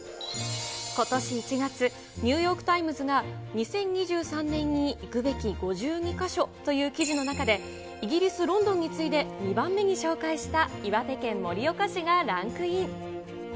ことし１月、ニューヨーク・タイムズが２０２３年に行くべき５２か所という記事の中で、イギリス・ロンドンに次いで２番目に紹介した岩手県盛岡市がランクイン。